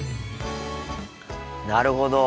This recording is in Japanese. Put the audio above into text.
なるほど。